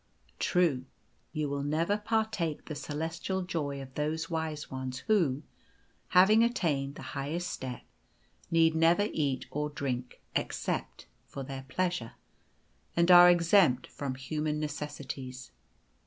True, you will never partake the celestial joy of those wise ones who, having attained the highest step, need never eat or drink except for their pleasure, and are exempt from human necessities.